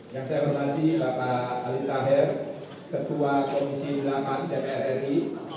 yang saya hormati bapak alitahir ketua komisi ulama dpr ri